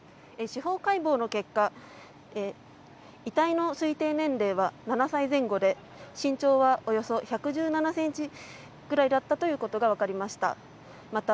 司法解剖の結果遺体の推定年齢は７歳前後で身長はおよそ１１７ｃｍぐらいだったということが分かりました。